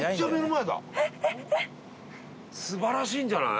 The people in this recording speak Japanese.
素晴らしいんじゃない？